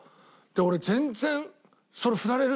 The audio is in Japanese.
俺全然それ。